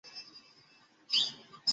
ও সবসময়ই এমনটা করে!